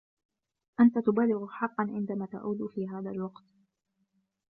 أنت تبالغ حقا عندما تعود في هذا الوقت.